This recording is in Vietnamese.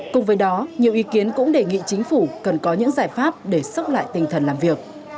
cùng với đó nhiều ý kiến cũng đề nghị chính phủ cần có những giải pháp để sốc lại tinh thần làm việc